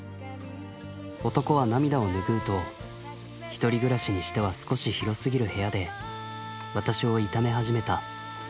男は涙を拭うと１人暮らしにしては少し広すぎる部屋で私を炒め始めた。